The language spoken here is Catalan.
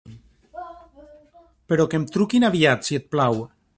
Però que em truquin aviat, si et plau!